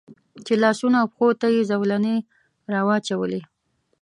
چې لاسونو او پښو ته یې زولنې را واچولې.